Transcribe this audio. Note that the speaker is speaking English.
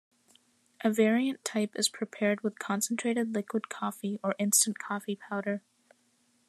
A variant type is prepared with concentrated liquid coffee or instant coffee powder.